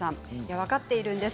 分かっているんです